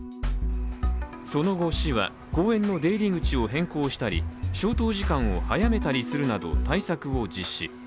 その後、市は公園の出入り口を変更したり消灯時間を早めたりするなど対策を実施。